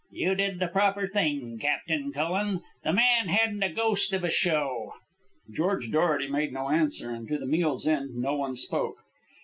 "You did the proper thing, Captain Cullen. The man hadn't a ghost of a show." George Dorety made no answer, and to the meal's end no one spoke.